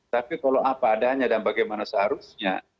tapi kalau apa adanya dan bagaimana seharusnya